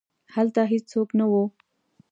هلته هیڅوک نه وو.